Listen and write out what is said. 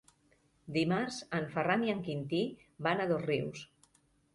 Dimarts en Ferran i en Quintí van a Dosrius.